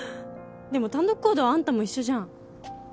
でも単独行動はあんたも一緒じゃん